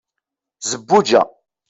zebbuǧa